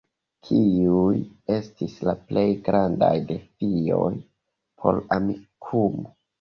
Kiuj estis la plej grandaj defioj por Amikumu?